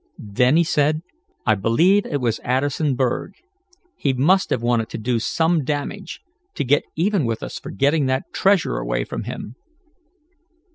Then he said: "I believe it was Addison Berg. He must have wanted to do some damage, to get even with us for getting that treasure away from him."